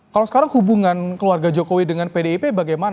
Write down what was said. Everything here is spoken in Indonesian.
kalau sekarang hubungan keluarga jokowi dengan pdip bagaimana